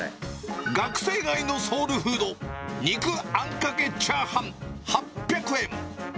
学生街のソウルフード、肉あんかけチャーハン８００円。